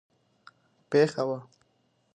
پېښه وه.